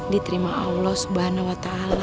diterima allah subhanahu wa ta'ala